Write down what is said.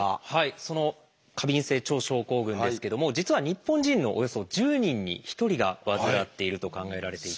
その過敏性腸症候群ですけども実は日本人のおよそ１０人に１人が患っていると考えられていて。